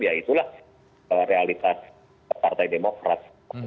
yaitulah realitas partai demokrat